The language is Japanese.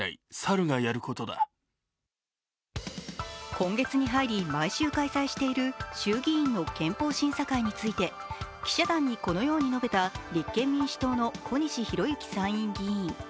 今月に入り毎週開催している衆議院の憲法審査会について記者団にこのように述べた立憲民主党の小西洋之参院議員。